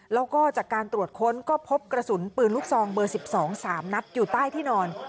แล้วก็จากการตรวจค้นก็พบกระสุนปืนลูกซองเบอร์๑๒๓นัดอยู่ใต้ที่นอน